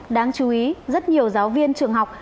đáng chú ý rất nhiều giáo viên trường học